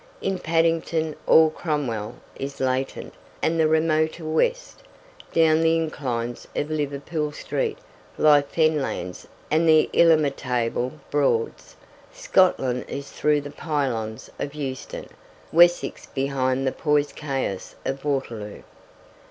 In Paddington all Cornwall is latent and the remoter west; down the inclines of Liverpool Street lie fenlands and the illimitable Broads; Scotland is through the pylons of Euston; Wessex behind the poised chaos of Waterloo.